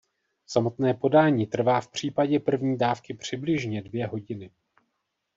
Samotné podání trvá v případě první dávky přibližně dvě hodiny.